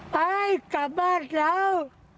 ไปกลับบ้านแล้ว